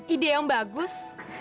ide yang bagus